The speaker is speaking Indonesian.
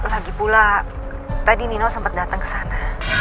lagipula tadi nino sempet dateng ke sana